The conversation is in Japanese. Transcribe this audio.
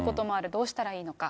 どうしたらいいのか。